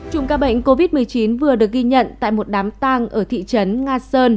chủng ca bệnh covid một mươi chín vừa được ghi nhận tại một đám tang ở thị trấn nga sơn